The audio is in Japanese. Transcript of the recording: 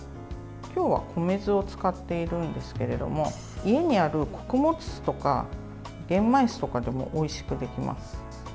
今日は米酢を使っているんですけれども家にある穀物酢とか玄米酢とかでもおいしくできます。